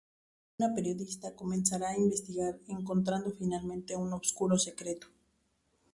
Una periodista comenzará a investigar encontrando, finalmente, un oscuro secreto.